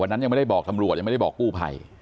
นั้นยังไม่ได้บอกตำรวจยังไม่ได้บอกกู้ภัย